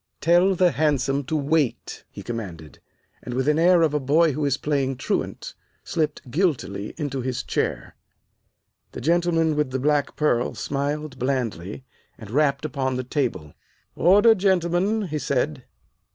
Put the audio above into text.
"Tell the hansom to wait," he commanded, and, with an air of a boy who is playing truant, slipped guiltily into his chair. The gentleman with the black pearl smiled blandly, and rapped upon the table. "Order, gentlemen," he said.